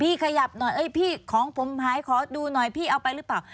ขยับหน่อยเอ้ยพี่ของผมหายขอดูหน่อยพี่เอาไปหรือเปล่า